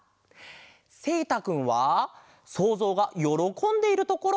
せいたくんはそうぞうがよろこんでいるところ。